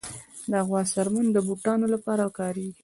د غوا څرمن د بوټانو لپاره کارېږي.